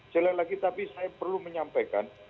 sekali lagi tapi saya perlu menyampaikan